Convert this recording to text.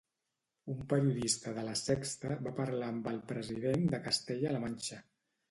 Un periodista de La Sexta va parlar amb el president de Castella-la Manxa.